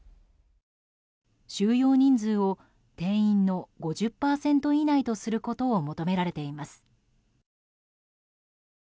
収容人数を定員の５０％以内とすることを求められています。